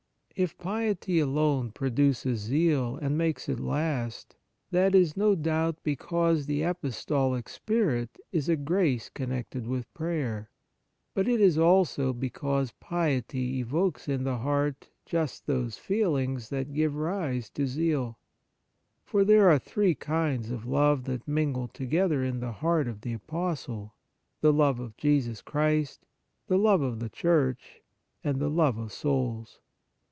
If piety alone produces zeal and 139 On Piety makes it last, that is no doubt because the apostolic spirit is a grace con nected with prayer ; but it is also because piety evokes in the heart just those feelings that give rise to zeal. For there are three kinds of love that mingle together in the heart of the apostle : the love of Jesus Christ, the love of the Church, and the love of souls.